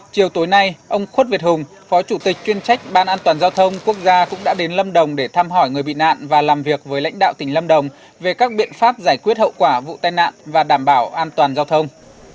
chiều tối nay ông khuất việt hùng phó chủ tịch chuyên trách ban an toàn giao thông quốc gia cũng đã đến lâm đồng để thăm hỏi người bị nạn và làm việc với lãnh đạo tỉnh lâm đồng về các biện pháp giải quyết hậu quả vụ tai nạn và đảm bảo an toàn giao thông